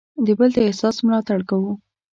د بل د احساس ملاتړ کوو.